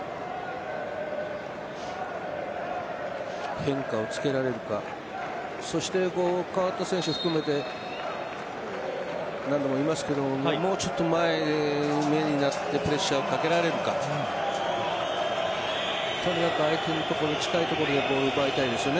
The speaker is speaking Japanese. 変化をつけられるか、そして代わった選手含めて何度も言いますけどもうちょっと前めになってプレッシャーをかけられるかとにかくあいてる所、近い所にボールを奪いたいですよね